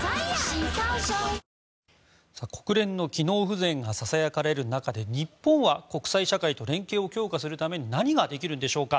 新登場国連の機能不全がささやかれる中で日本は国際社会と連携を強化するために何ができるんでしょうか。